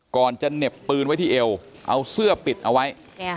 ก่อนจะเหน็บปืนไว้ที่เอวเอาเสื้อปิดเอาไว้